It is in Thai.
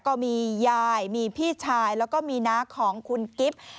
ก็มียายมีพี่ชายแล้วก็มีน้าของคุณกิฟต์